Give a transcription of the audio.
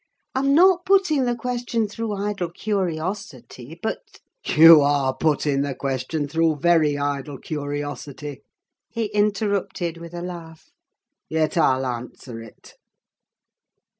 I'm not putting the question through idle curiosity, but—" "You are putting the question through very idle curiosity," he interrupted, with a laugh. "Yet I'll answer it.